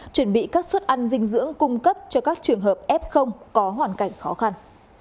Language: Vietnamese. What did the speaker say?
chuẩn bị các suất ăn dinh dưỡng cung cấp cho các trường hợp f có hoàn cảnh khó khăn